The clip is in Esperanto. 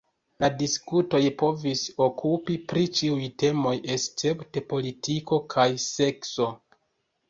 La diskutoj povis okupi pri ĉiuj temoj escepte politiko kaj sekso.